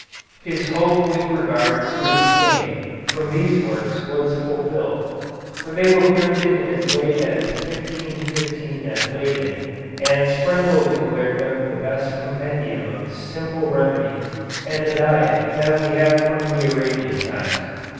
His hope with regard to his fame from these works was fulfilled, for they were printed as late as 1515 at Leyden, and Sprengel declared them the best compendium of simple remedies and diet that we have from the Arabian times.